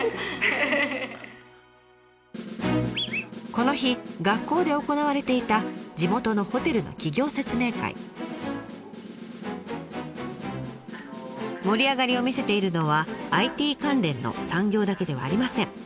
この日学校で行われていた盛り上がりを見せているのはＩＴ関連の産業だけではありません。